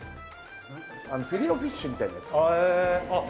フィレオフィッシュみたいなやつへえあっ